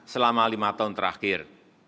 selama lima tahun terakhir